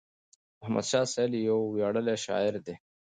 رحمت شاه سایل یو ویاړلی شاعر دی.